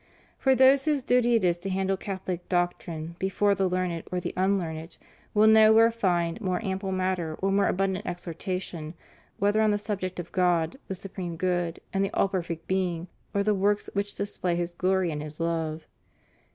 For those whose duty it is to handle Catholic doctrine before the learned or the unlearned will nowhere find more ample matter or more abundant exhortation, whether on the sub ject of God, the supreme Good and the all perfect Being, or the works which display His glory and His love.